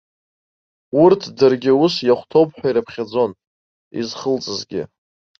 Урҭ даргьы ус иахәҭоуп ҳәа ирыԥхьаӡон, изхылҵызгьы.